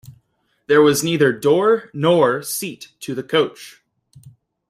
There was neither door nor seat to the coach.